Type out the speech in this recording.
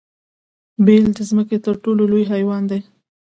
پیل د ځمکې تر ټولو لوی حیوان دی